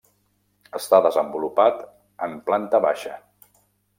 Està desenvolupat en planta baixa.